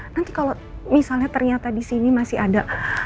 nanti kalo misalnya ternyata disini masih ada